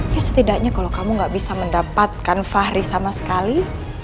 ya setidaknya kalau kamu gak bisa mendapatkan fahri sama sekali